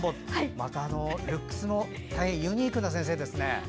またルックスも大変ユニークな先生ですね。